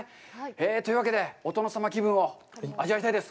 というわけで、お殿様気分を味わいたいです。